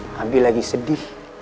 nabi lagi sedih